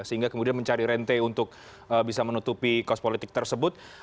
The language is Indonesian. sehingga kemudian mencari rente untuk bisa menutupi kos politik tersebut